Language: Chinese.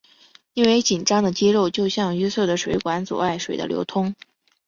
因为紧张的肌肉就像淤塞的水管阻碍水的流通。